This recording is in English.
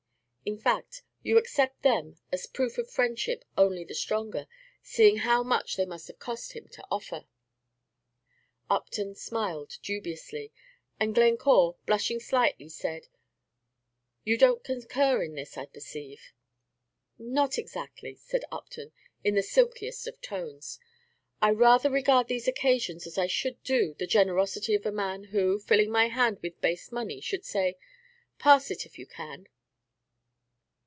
In fact, you accept them as proofs of friendship only the stronger, seeing how much they must have cost him to offer." Upton smiled dubiously, and Glencore, blushing slightly, said, "You don't concur in this, I perceive." "Not exactly," said Upton, in his silkiest of tones; "I rather regard these occasions as I should do the generosity of a man who, filling my hand with base money, should say, 'Pass it if you can!'"